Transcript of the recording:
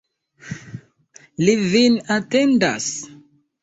Li vin atendas.